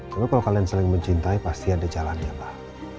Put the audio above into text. tapi kalo kalian saling mencintai pasti ada jalannya lah